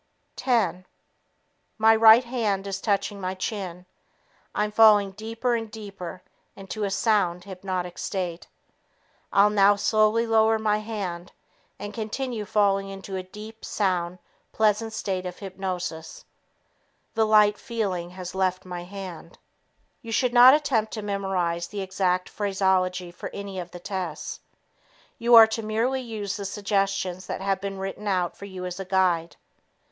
Ten ... My right hand is touching my chin; I'm falling deeper and deeper into a sound hypnotic state; I'll now slowly lower my hand and continue falling into a deep, sound, pleasant state of hypnosis. The light feeling has left my hand." You should not attempt to memorize the exact phraseology for any of the tests. You are to merely use the suggestions that have been written out for you as a guide.